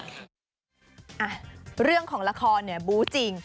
อ่ะเรื่องของละครเนี่ยบู้จริง